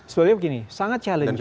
sebenarnya begini sangat challenging